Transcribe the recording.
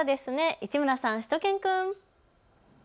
市村さん、しゅと犬くん。